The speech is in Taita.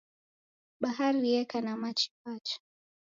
Bahari yeka na machi pacha.